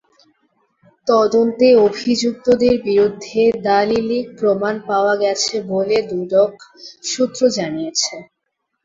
তদন্তে অভিযুক্তদের বিরুদ্ধে দালিলিক প্রমাণ পাওয়া গেছে বলে দুদক সূত্র জানিয়েছে।